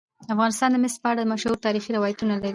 افغانستان د مس په اړه مشهور تاریخی روایتونه لري.